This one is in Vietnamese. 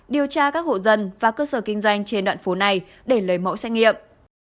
điều tra các hộ dân và cơ sở kinh doanh trên đoạn phố này để lấy mẫu xét nghiệm